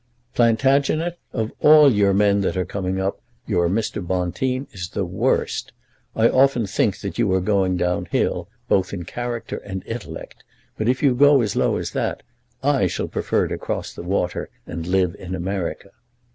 "Plantagenet, of all your men that are coming up, your Mr. Bonteen is the worst. I often think that you are going down hill, both in character and intellect, but if you go as low as that I shall prefer to cross the water, and live in America."